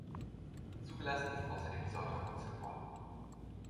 Zugelassen ist außerdem die Sorte Auxerrois.